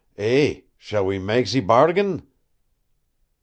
Eh, shall we mak' ze bargain?"